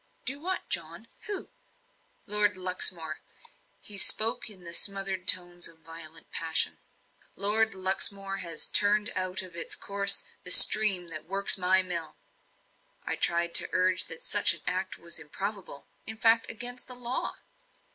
"Do what, John? Who?" "Lord Luxmore." He spoke in the smothered tones of violent passion. "Lord Luxmore has turned out of its course the stream that works my mill." I tried to urge that such an act was improbable; in fact, against the law.